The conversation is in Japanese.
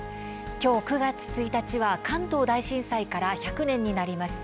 今日、９月１日は関東大震災から１００年になります。